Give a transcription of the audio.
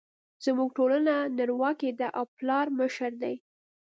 زموږ ټولنه نرواکې ده او پلار مشر دی